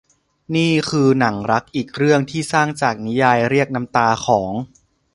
นี่คือหนังรักอีกเรื่องที่สร้างจากนิยายเรียกน้ำตาของ